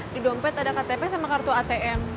di dompet ada ktp sama kartu atm